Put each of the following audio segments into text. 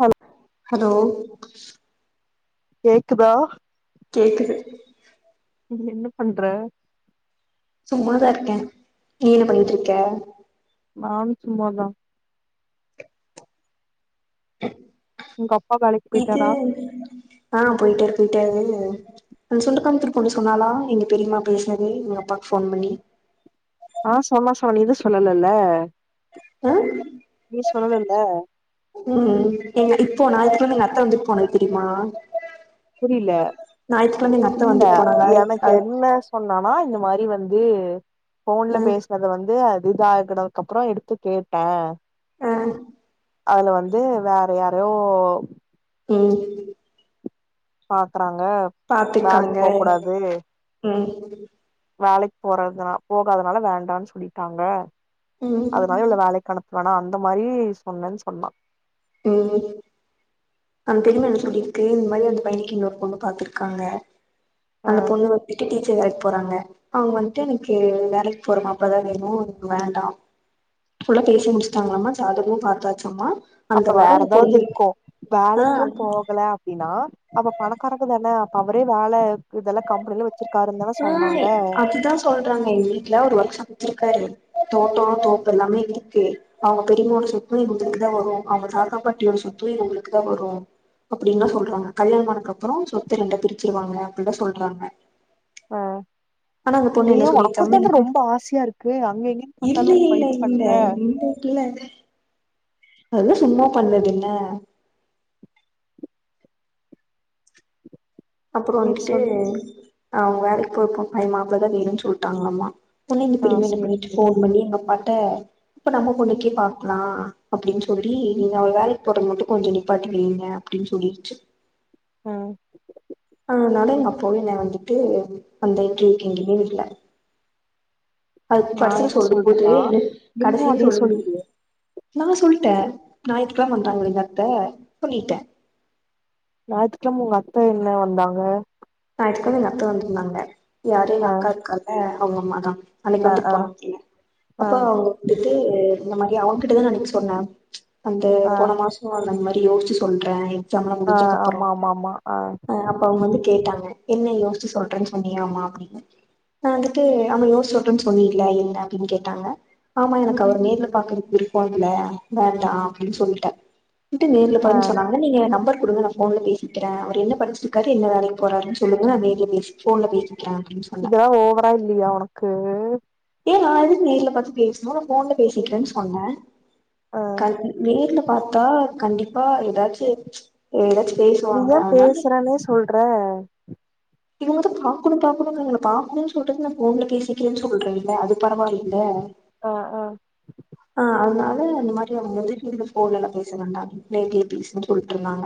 hello hello கேக்குதா கேக்குது நீ என்ன பண்ற சும்மாதா இருக்கே நீ என்ன பண்ணிட்டுருக்க நானு சும்மாதா உங்க அப்பா வேலைக்கு இது போயிட்டாரா ஆ போய்ட்டாரு போய்ட்டாரு அந்த சொண்டக்காமத்தூர் பொண்ணு சொன்னாலா எங்க பெரிம்மா பேசுனது எங்க அப்பாக்கு ஃபோன் பண்ணி ஆ சொன்ன சொன்னா நீதா சொல்லல ஆ ம் போன ஞாயித்துக்கெழம எங்க அத்த வந்துட்டு போனது தெரிமா புரில இல்ல வந்துட்டு போனாங்க எனக்கு அது என்ன சொன்னானா இந்த மாரி வந் து ஆ ஃபோன்ல பேசுனத வந்து இதாகன கப்புறோ எடுத்து கேட்டே ஆ அதுல வந்து வேற யாரயோ ம் பாத்தே நாங்க வேலைக்கு பாத்துருக்காங்க போ கூடாது ம் வேலைக்கு போறதுனா போகாதனால வேண்டானு சொல்லிட்டாங்க ம் அதனால இவள வேலைக்கு அனுப்ப வேணா அந்த மாரி சொன்னனு சொன்னா ம் அந்த பெரிம்மா என்ன சொல்லிருக்கு இந்த மாரி அந்த தம்பிக்கு இன்னொரு பொண்ணு பாத்துருக்காங்க ஆ அந்த பொண்ணு வந்துட்டு டீச் சர் வேலைக்கு போறாங்க அவுங்க வந்துட்டு எனக்கு வேலைக்கு போற மாரி தா வேணு வேண்டா ஃபுல்லா பேசி முடிச்சுட்டாங்களாம்மா ஜாதகோ பார்த்தாச்சாமா அப்ப வேற ஏதாவது இருக்கூ ஆ வேலைக் கூ போகல அப்டின்னா அப்ப பணக்காரங்க தானே அப்ப அவரே வேல இதெல்லா கம்பெனி ஏய் அதுதா சொல்றாங்க எங்க வீட்ல ஒரு ஒர்க் ஷாப் வச்சிருக்காரு தோட்ட தோப்பு எல்லாமே இருக்கு அவங்க பெரியமாவோட சொத்து இவங்களுக் தா வரும் அவங்க தாகத்தா பாட்டியோட சொத்து இவங்களுக்கு தா வரும் அப்படின்னுதா சொல்றாங்க கல்யாணமானக்கப்புற சொத்த ரெண்டா பிரிச்சிருவாங்க அப்படிதா சொல்றாங்க ஆ ஆனா அந்த பொண்ணு என்ன நீயு உனக்கு தான சொல்லிருச்சாமா ரொம்ப ஆசையா இருக்கு அங்க எங்கன்னு இல்ல பாத்தாலு இல்ல இது இல்ல பண்ற இ இல்ல அதெலா சும்மா பண்ணது என்ன அப்றம் சேரி வந்துட்டு சொல்லு அவங்க வேலைக்கு போப்போ அந்த மாப்ளதா வேணும்னு சொல்ட்டாங்ளாம்மா உடனே எங்க ஆ பெரிமா என்ன சேரி பண்ணிட்டு சேரி போன் பண்ணி எங்கப்பா அப்ப நம்ம பொண்ணுக்கே பாக்லா அப்டின்னு சொல்லி நீங்க அவ வேலைக்கு போறத மட்டு நிப்பாட்டி வைங்க அப்டினு சொல்லிச் உம் அதனால எங்க அப்பாவு என்னைய வந்துட்டு அந்த இன்ட்ரியூ எங்கேயுமே விடல அது நா படிசேன்னு என்ன சொல்லும் போதே சொல்றேன்னா எனக் நீயு கடைசினு அதே சொல்லு சொல்லிரு நா சொல்ட்டே நா இதுக்லா பண்ற ஆளு இல்லத்த ஞாயித்துக்கெழம உங்க அத்த என்ன வந்தாங்க ஞாயித்துக்கெழம எங்க அத்த வந்திருந்தாங்க யாரு எங்க ஆ அக்காயிருக்கால்ல அவங்க அம்மா தா அன்னைக்கு ஆ வந்துட்டு ஆ போனாப்ல ஆ அப்போ வந்துட்டு இந்த மாதிரி அவன் கிட்டதா அன்னைக்கு சொன்ன அந்த ஆ போன மாச வந்தாங்கல யோஸ்ச்சு சொல்ற சம்பள ஆ ஆமா முடிஞ்சக்கப்றம் ஆமா ஆமா ஆ அப்ப அவங்க வந்து கேட்டாங்க என்ன யோஸ்ச்சி சொல்றன்னு சொன்னியாமா அப்டின்னு நா வந்துட்டு ஆமா யோசிச்சு சொல்றன்னு சொன்னில என்ன அப்படின்னு கேட்டாங்க ஆமா எனக்கு அவர நேர்ல பாக்க விருப்பமில்ல வேண்டா அப்படின்னு சொல்ட்டே வந்துட்டு நேர்ல ஆ பார்ன்னு சொன்னாங்க நீங்க என் நம்பர் குடுங்க நா போன்ல பேசிக்கிற அவரு என்ன படிச்சிருக்காரு என்ன வேலைக்கு போறரு சொல்லுங்க நா நேர்ல போன்ல பேசிக்கிற இதெல்லா ஓவரா இல்லையா ஒனக்கு ம் ஏன் நா எதுக்கு நேர்ல பாத்து பேசணு நா போன்ல பேசிக்றன்னு சொன்ன ஆ கல் நேர்ல பாத்தா கண்டிப்பா எதாச்சு எதாச்சு நீ ஏன் பேசுறன்னே சொல்ற இவங்க வந்து பாக்கணு பாக்கணு ன்றாங்க பாக்கணும்னு சொல்றதுக்கு நா போன்ல பேசிக்றன்னு சொல்றல அது பரவால்லல ஆ ஆ இவங்க வந்து அந்த மாரி அவங்கது வந்து திருப்பி போன்ல எல்லா பேச வேண்டா நேர்லயே பேசுன்னு சொல்ட்ருந்தாங்க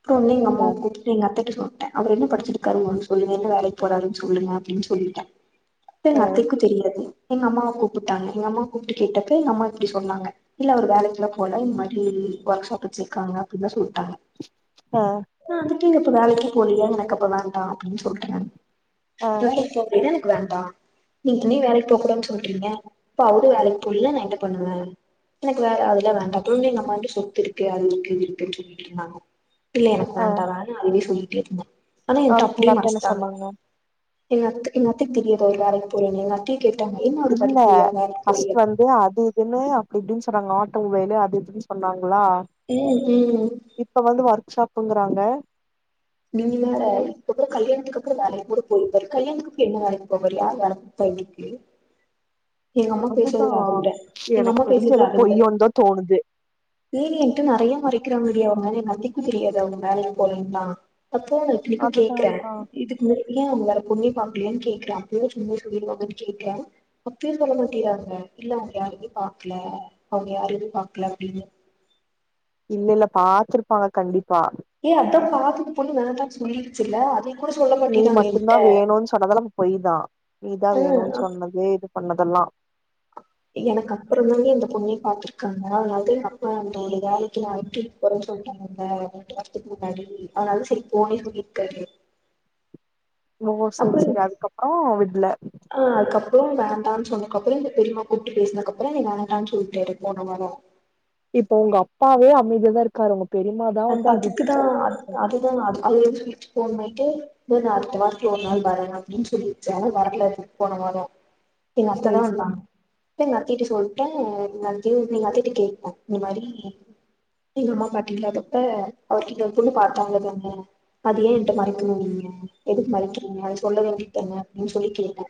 இப்ப வந்து எங்க ஆ அம்மாவ கூப்ட்டு எங்க அத்தைட்ட சொல அவர் என்ன படிச்சிருக்காரு முதல்ல தொ வேலை போறாருன்னு சொல்லுங்க அப்படின்னு சொல்லிட்டே ஆ அத்தைக்கும் தெரியாது எங்க அம்மாவ கூப்பிட்டாங்க எங்க அம்மா கூப்பிட்டுேப்ப எங்க அம்மா இப்படி சொன்னாங்க இல்ல ஒரு வேலைக்குல போல இந்த மாரி ஒர்க்ஷாப் வச்சிருக்காங்க அப்படின்னுான் சொல்லிட்டாங்க ஆ அதுங்க இப்ப வேலைக்கு போலியா எனக்கு அப்ப வேண்டாம் ஆ [unintelligible] எனக்கு வேண்டாம் நீ இனும் வேலைக்கு போக கூடன்னனு சொல்றீங்க அப்பாவது வேலைக்கு போடல நான் என்ன பண்ணுவேன் எனக்கு வே அதுல வேண்டாம் அப்ப நம்ம வந்துட்டு சொத்து இருக்கு அது இருக்கு இது இருக்குன்னு சொல்லிட்டு இருந்தாங்க இல்ல எனக்கு வேண்டான்னு அதுவே சொல்லி [unintelligible] அதுகூந்தா என்ன சொன்னாங்க ஏ த் இன்னாத்திக் தெரியது ஒரு வேலைக் போறோன் இன்னாத்தி இல்ல ஃபர்ஸ்ட் வந்து அது இதுன்னு அப்டி இப்டின்னு சொன்னாங்க ஆட்டோ மொபைல் அது இதுன்னு சொன்னாங் புல்லா ம் ம் இப்ப வந்து வர்க் ஷாப் தூங்குறாங்க நீ வேற இப்பக்குற கல்யாணத்துக்கு அப்புறம் வேலைக்கு கூட போயிருப்பாரு கல்யாணத்துக்கு அப்புறம் என்ன வேலக்கு போவாரு யார் வேல குடுப்பா இவுருக்கு அதுதா எனக்கு தெரிஞ்ச பேசுறது ஏதோ அத விட பொய்யோன் தா தோணுது அத்தைக்கும் தெரியாது அவங்க வேலைக்கி போலன் லா அப்போ இப்புடிக்கும் அதுதா கேக்குறேன் அதுதா இதுக்குமே ஏன் அவங்க வேற பொண்ணே பாக்குலையான்னு கேக்குறா அப்புவும் சும்மா சொல்லிருவாங்கன்ச்சி இருக்குறே அப்பயு சொல்ல மாட்டேங்றாங்க இல்ல அவங்க யாருமே பாக்ல அவங்க யார எதயும் பாக்ல அப்டின்னு இல்ல இல்ல பாத்துருப்பாங்க கண்டிப்பா ஏ அத்தா பாத்தது பொண்ணு வேண்டா சொல்லிருச்சுல்ல அதே நீ மட்டுந்தா வேணுன்னு சொன்னதெல்லா அப்ப பொய்தா நீதா ஆ வேணுன்னு சொன்னது இது பண்ணதெல்லா எனக்கு அப்புறம் வந்தே இந்த பொண்ணே பாத்துருக்காங்க அதாவது [unintelligible] ரெண்டு வாரத்துக்கு முன்னாடி அதுனால தா சேரி போன்னே சொல்லிருக்காரு ஓ சரி அப்புறோ சரி அதுக்கப்றோ விட்ல டான் சொன்னக்கப்றோ இந்த பெரிம்மா பேசுனக்கப்புறோ நீங்க வேணான்டான்னு சொல்டாரு போன வாரோ இப்ப உங்க அப்பாவே அமைதியதா இருக்காரு உங்க பெரிம்மாதா அத் வந்து அது அதுக்கு இதுன்னு தா சொல் அத் அதுதா [unintelligible] ட்டு துன் அடுத்த வாரத்துல ஒரு நாள் வர நா அப்புடின்னு சொல்லிருக்கே வரல அதுக்கு போன வரோ எங் அத்த தா செரி செரி வந்தாங் [unintelligible] த்திட்டு சொல்ட்டே [unintelligible] நீங்க அத்திட்ட கேப்போ இந்த மாரி எங்க அம்மா பாட்டி இல்லாத ப்ப அவருக்கு இன்னோரு பொண்ணு பாத்தோ அவ்ளோ தானே அது ஏன் ஏன்ட்ட மறைக்கனு நீங்க எதுக்கு மறைக்கனு அத சொல்ல வேண்டியது தான அப்டின்னு கேட்டே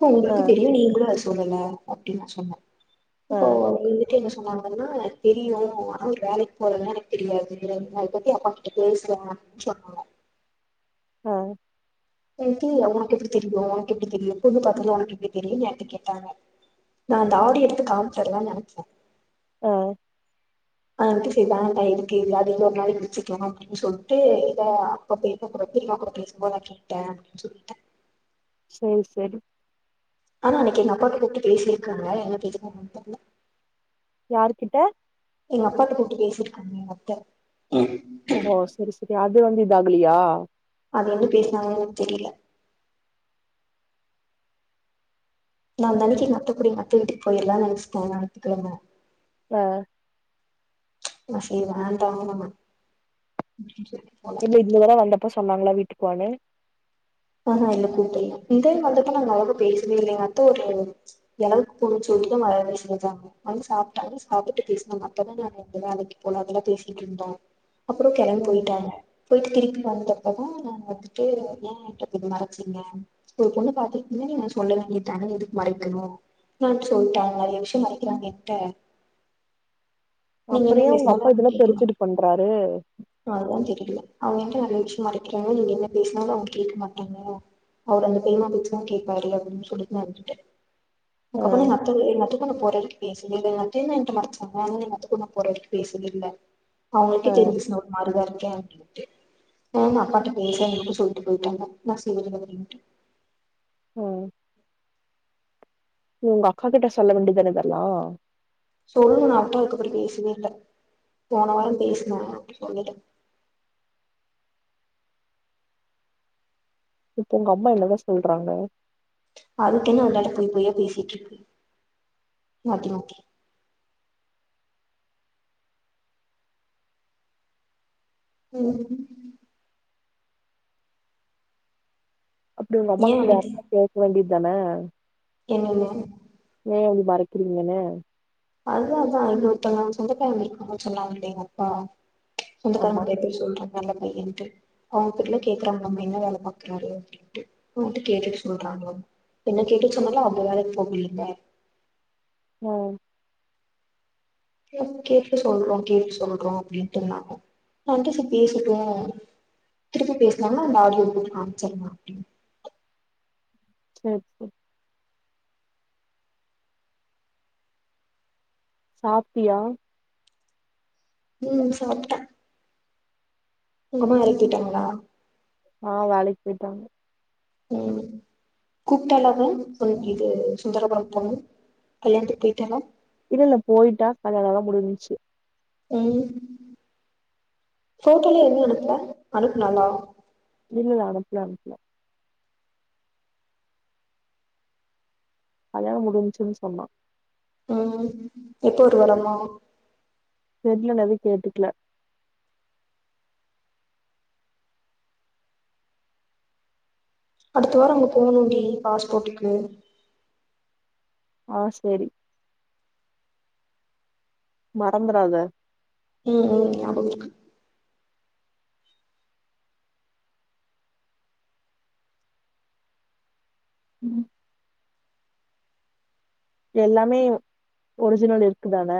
ப்போ ஆ உங்களுக்கு தெரியும் நீங்களு அஸ் சொல்லல அப்டின் நா சொன்னே ஆ இப்போ உங்க கிட்ட என்ன சொன்னங்க ஆனா தெரியு ஆனா வேலைக் போறதுல்லா எனக் தெரியாது [unintelligible] அது பத்தி அப்பா கிட்ட பேசலா சொன்னாங்க ஆ எங்கி உனக்கு எப்புடி உனக்கு எப்புடி பொண்ணு பாத்ததுல்லா உனக்கு எப்புடி ஏன்ட்ட கேட்டாங்க நா அந்த ஆடி எடுத்து காம்சுருல்லான்னு நெனச்ச ஆ ஆண்ட்டுசைதான் அ இதுக்கு அது இன்னோரு நாள் வெச்சுக்குலா அப்புடின்னு சொல்ட்டு [unintelligible] ட்டே அப்புடின்னு சொல்ட்டே சேரி சேரி ஆனா அன்னைக்கி எங்க அப்பாக்ட்ட கூப்டு பேசினேருக்காங்க என்ன பேசுனாங்கன்னு தெர்ல யாரு கிட்ட எங்க அப்பாத்த கூப்ட்டு பேசிருக்காங்க எங்க அத்த ஓ சரி சரி அது வந்து இதா ஆகலையா அது வந்து பேசுனாங்க தெரியல நா அந்தானிக்கு எங்க அத்த கூட எங்க அத்த வீட்டுக்கு போயிலாம் நினைச்சிட்டேன் ஞாத்து கிழம வ ஆ செரி வேண்டா போல இல்ல இது வர வந்தப் ப சொன்னாங்களா வீட்டுக்கு வானு ஆஹா இல்ல கூட்டே இதே [unintelligible] நா அளவுக்கு பேசவே இல்லைங்க அத்த ஒரு எளவுக்கு போனு சொல்டு [unintelligible] வந்து சாப்டாங்க சாப்பிட்டு பேசுனாங்க அப்பதான் நாங்க எந்த வேலைக்கு போல அதெல்லாம் பேசிட்டு இருந்தோம் அப்புறம் கிளம்பு ம் போயிட்டாங்க போயிட்டு திருப்பி வந்த ப்போ நான் வந்துட்டு ஏ என்கிட் ட மறைச்சிங்க ஒரு பொண்ணு பாத்துன்னே நா சொல்லல நீ தனே எதுக்கு மறைக்கணு [unintelligible] சொல்லிட்டாங்க நிறைய விஷயம் மறைக்கிறாங்க என்ட நீங்க அப்புற என்ன ஏன் உங்க அப்பா பேசுனாலும் அவ இதெல்லா கேட்கனு தெரிஞ்சு இது பண்றாரு அதான் தெரில அவ என்ட நறைய விஷய மறைக்கிறாங்க நீங்க என்ன பேசுனாலும் அவங்க கேட்க மா ட்டாங்க அவர் அந்த பேமா பேச்சு தான் கேட்பாரு அப்படின்னு சொல்லிட்டு நான் விட்டுட்டேன் ஆ அதுக்கப்புறம் எங் அத்தை எங்க அத்தைக்கு நா போறே பேசலலனன்ட்டு என்ட மறச்சாங்க என் அத்த கொன்ன போறதுக்கு பேசவே இல்ல ஆ அவங்களுக்கே தெரிஞ்சிச்சு நா ஒரு மாரிதா இருக்கேன் அப்டின் டு ஆமா அப்பாட்ட பேசேன் எனக்கு சொல்ட்டு போயிட்டாங்க நா சேரிங்க அப்டின்ட்டு ம் நீ உங்க அக்கா கிட்ட சொல்ல வேண்டிதான இதெல்லாம் சொல்லணும் நான் அத்த அக்குப்படி பேசவே இல்ல போன வாரம் பேசுனே அப் சொல்லல இப்ப உங்க அம்மா என்னதான் சொல்றாங்க அதுக்கென உள்ளால போய் போயா பேசிட்டு இருக்கு மாத்தி மாத்தி ம் அப்டி உங்க ஏ அம்மாக் டெரக்டா கேக்க வேண்டிய தான என்னென்னு ஏ வந்து மறக்கிறீங்கன்னு அதான் அதான் இங்க ஒருதங்க சொந்தக்காரங்க இருக்காங்கனு சொன்னாங்களே எங்க அப்பா ஆமா சொந்தக்காரங்கட்ட எப்டி சொல்ற நல்ல பையன்ட்டு அவங்க பெர்ல கேக்குறாங்க நம்ம என்ன வேலை பாக்குறாரு அப்படின்ட்டு அவங்கட்டு கேட்டுட்டு சொல்றாங்கள என்ன கேட்டு சொன்னாலும் அவங்க வேலைக் போகலைன்பே ம் கே கேட்டு சொல்றோம் கேட்டு சொல்றோம் அப்படின்னு சொன்னாங்க நான் வந்து சரி பேசட்டோம் திருப்பி பேசலாம்னா அந்த ஆடியோ போட்டு காமிச்சிடலாம் அப்படின்னு செரி செரி சாப்டியா உம் சாப்ட்டேன் உங்க அம்மா வேலைக்கு போய்ட்டாங்களா ஆ வேலைக்கு போயிட்டாங்க ம் கூப்ட்டால அவ தா இது சுந்தரபுரம் போணும் கல்யாணத்துக்கு போயிட்டாலா இல்ல இல்ல போயிட்டா கல்யாணம்லாம் முடிஞ்ச்சு ம் ஃபோட்டோல எதுமே எடுக்ல அனுப்னாலா இல்ல [unintelligible] அனுப்ல அனுப்ல கல்யாணம் முடிஞ்சுன் சொன்னா ம் [unintelligible] வரமோ தெர்ல நா எது கேட்டுக்ல அடுத்த வாரோ அங்க போணுன்டி பாஸ்போட்டுக்கு அ செரி மறந்துறாத ம் ம் ஞாபக இருக்கு ம் எல்லாமே ஒ ஒரிஜினல் இருக்குதான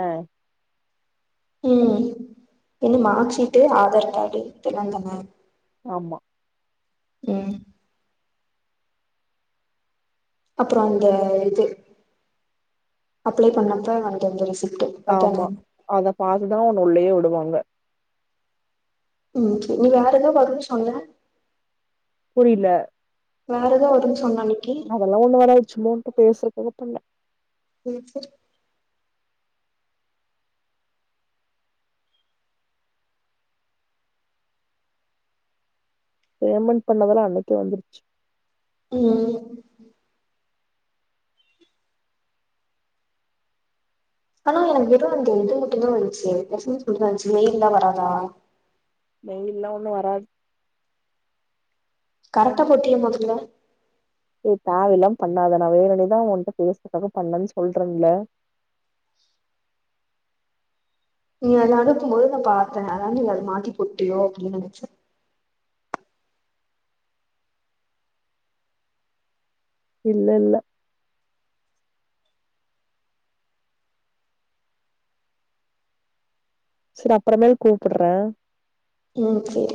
ம் [unintelligible] மார்க்ஷீட்டு ஆதார் காடு இதெல்லாதான ஆமா ம் அப்புறோ அந்த இது அப்ளை பண்ணப்ப [unintelligible] ரிசல் ஆமா அத பாத்துதா உன்ன உள்ளேயே வுடுவாங் க ம் நீ வேற எதோ வருன் சொன்ன புரில வேறெதா வருன் சொன்ன அன்னி அதெல்லா ஒண்ணு வராது சும்மா ஒன் [unintelligible] [unintelligible] பண்ண [unintelligible] பேமெண் பண்ணதெல்லா அன்னைக்கே வந்துருச் ம் ம் ஆனா எனக் வெறு அந்த இது மட்டு தா வந்துச்சு [unintelligible] வந்ச்சு மெய்ல்லா வராதா மெய்ல்லா ஒண்ணு வராத் கரெக்டா போட்டிய மொதல்ல எ தேவ இல்லாம் பண்ணாத நா வேனுனேதா உன்ட்ட பேஸ்துக்காக பண்ணன் சொல்றன்ல [unintelligible] நீ அத அனுப்பும்போது நா பாத்தே அதா நீ அது மாத்தி போட்டியோ அப்டின் நா நென்ச்ச இல்ல இல்ல செரி அப்பறமேல் கூப்புடுடுறே ம் செரி